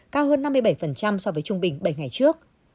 cao hơn năm mươi bảy so với trung bình bảy ngày trước